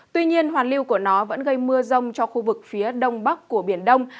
tuy nhiên hoàn lưu của nó vẫn gây mưa rông cho khu vực phía đông bắc của biển đông